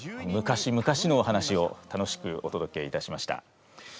昔々のお話を楽しくおとどけいたしました。